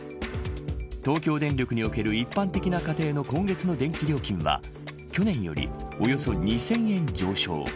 東京電力における一般的な家庭の今月の電気料金は去年よりおよそ２０００円上昇。